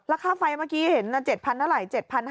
ราคาไฟเมื่อกี้เห็น๗๐๐๐เหร่าไร